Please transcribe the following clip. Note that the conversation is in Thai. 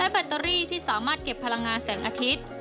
แบตเตอรี่ที่สามารถเก็บพลังงานแสงอาทิตย์